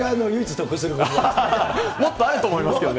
もっとあると思いますけどね。